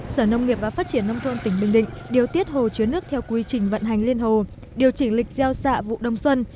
sở nông nghiệp và phát triển nông thôn tỉnh bình định điều tiết hồ chứa nước theo quy trình vận hành liên hồ điều chỉnh lịch gieo xạ vụ đông xuân